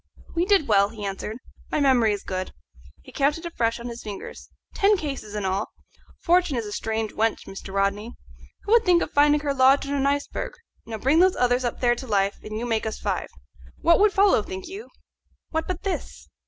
"We did well," he answered. "My memory is good" he counted afresh on his fingers "ten cases in all. Fortune is a strange wench, Mr. Rodney. Who would think of finding her lodged on an iceberg? Now bring those others up there to life, and you make us five. What would follow, think you? what but this?"